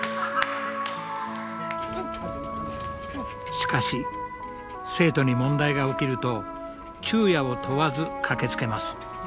しかし生徒に問題が起きると昼夜を問わず駆けつけます。